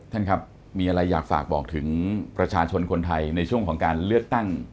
ท่านครับมีอะไรอยากฝากบอกถึงประชาชนคนไทยในช่วงของการเลือกตั้ง